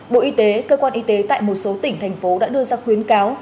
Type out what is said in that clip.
bộ y tế cơ quan y tế tại một số tỉnh thành phố đã đưa ra khuyến cáo